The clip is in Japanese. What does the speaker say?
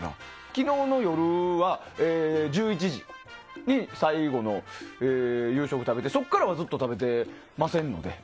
昨日の夜は１１時に最後の夕食食べてそこからはずっと食べてませんので。